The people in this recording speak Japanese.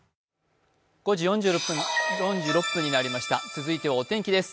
続いてお天気です。